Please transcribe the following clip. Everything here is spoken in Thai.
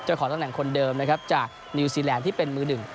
ขอตำแหน่งคนเดิมนะครับจากนิวซีแลนด์ที่เป็นมือหนึ่ง